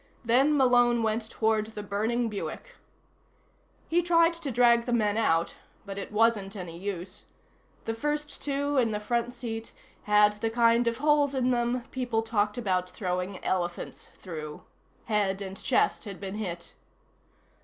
Then Malone went toward the burning Buick. He tried to drag the men out, but it wasn't any use. The first two, in the front seat, had the kind of holes in them people talked about throwing elephants through. Head and chest had been hit.